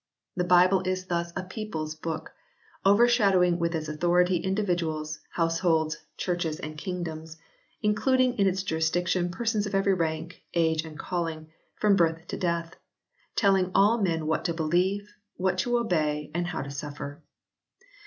The Bible is thus a people s book, overshadowing with its authority individuals, house holds, churches and kingdoms ; including in its jurisdic tion persons of every rank, age and calling, from birth to death, telling all men what to believe, what to obey, and how to suffer.